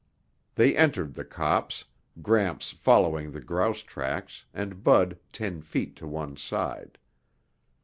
They entered the copse, Gramps following the grouse tracks and Bud ten feet to one side.